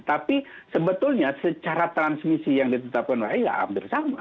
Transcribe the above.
tapi sebetulnya secara transmisi yang ditetapkan wahi ya hampir sama